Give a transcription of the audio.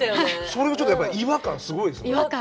それがちょっとやっぱ違和感すごいですもん。